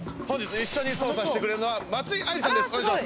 本日一緒に捜査してくれるのは松井愛莉さんです。